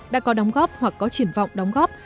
đã có đóng góp hoặc có triển vọng đóng góp